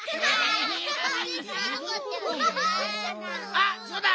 あっそうだ！